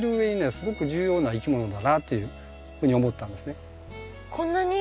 すごく重要ないきものだなっていうふうに思ったんですね。